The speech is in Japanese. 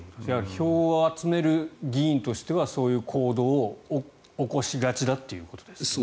票を集める議員としてはそういう行動を起こしがちだということですね。